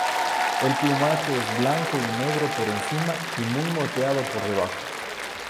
El plumaje es blanco y negro por encima y muy moteado por debajo.